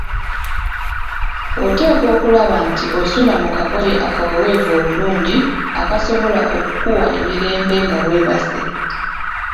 Oteekwa okulaba nti osula mu kagoye akaweweevu obulungi akasobola okukuwa emirembe nga weebase.